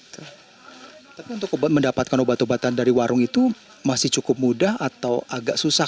tapi untuk mendapatkan obat obatan dari warung itu masih cukup mudah atau agak susah